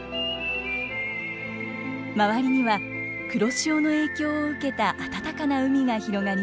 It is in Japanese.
周りには黒潮の影響を受けた暖かな海が広がります。